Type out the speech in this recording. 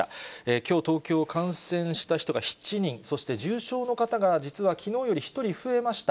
きょう東京、感染した人が７人、そして重症の方が、実はきのうより１人増えました。